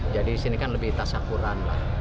jadi di sini kan lebih tasyakuran